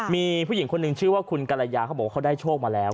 มีผู้หญิงคนหนึ่งชื่อว่าคุณกรยาเขาบอกว่าเขาได้โชคมาแล้ว